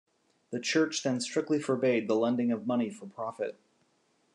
The Church then strictly forbade the lending of money for profit.